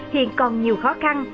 hiện còn nhiều khó khăn